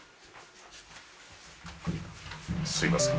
すいません。